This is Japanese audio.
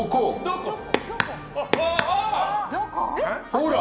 ほら！